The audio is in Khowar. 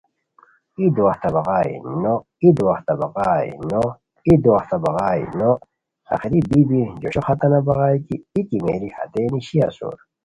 ای دواہتہ بغائے نو ای دواہتہ بغائے نو ای دواہتہ بغائے نو، آخری بی بی جوشو ختانہ بغائے کی ای کیمیری ہتئے نیشی اسور